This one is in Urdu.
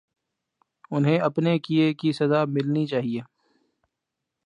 انہیں اپنے کیے کی سزا ملنی چاہیے۔